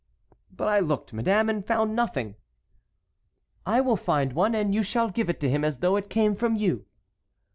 "But I looked, madame, and found nothing." "I will find one—and you shall give it to him as though it came from you."